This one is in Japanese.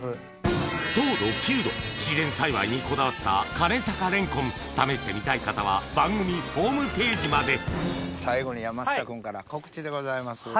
糖度９度自然栽培にこだわった試してみたい方は番組ホームページまで最後に山下君から告知でございます。